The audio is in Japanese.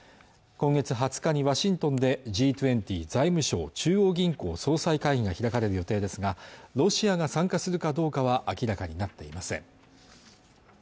今月２０日にワシントンでＧ２０財務相・中央銀行総裁会議が開かれる予定ですがロシアが参加するかどうかは明らかになっていません